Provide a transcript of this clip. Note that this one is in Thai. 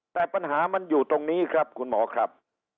แต่ปัญหามันอยู่ตรงนี้ครับคุณหมอครับ